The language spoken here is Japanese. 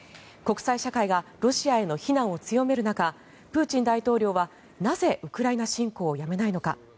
国際社会がロシアへの非難を強める中プーチン大統領は、なぜウクライナ侵攻をやめないのか。